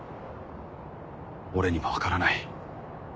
俺には分からない。